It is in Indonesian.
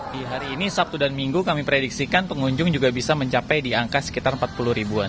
di hari ini sabtu dan minggu kami prediksikan pengunjung juga bisa mencapai di angka sekitar empat puluh ribuan